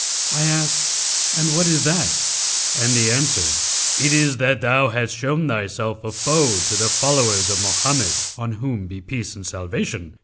I asked 'And what is that?'; and he answered, 'It is that thou hast shown thyself a foe to the followers of Mohammed (on whom be peace and salvation!)